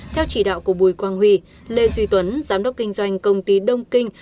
theo chỉ đạo của bùi quang huy lê duy tuấn giám đốc kinh doanh công ty đông kinh